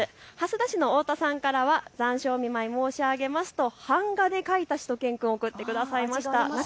蓮田市のおおたさんからは残暑お見舞い申し上げますと版画で描いたしゅと犬くんを送ってくださいました。